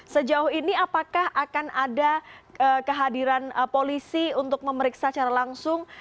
sejauh ini apakah akan ada kehadiran polisi untuk memeriksa secara langsung